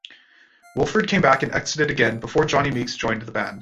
Williford came back and exited again before Johnny Meeks joined the band.